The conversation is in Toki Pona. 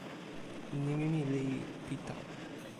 nimi mi li Pita.